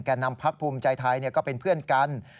นำพักภูมิใจไทยก็เป็นเพื่อนกัน